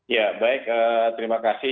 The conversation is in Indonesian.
ya baik terima kasih